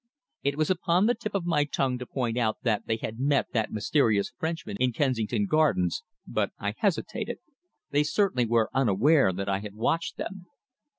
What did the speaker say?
It was upon the tip of my tongue to point out that they had met that mysterious Frenchman in Kensington Gardens, but I hesitated. They certainly were unaware that I had watched them.